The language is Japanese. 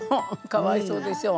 かわいそうでしょ。